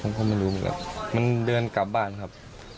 ผมก็ไม่รู้มันเดินกลับบ้านครับ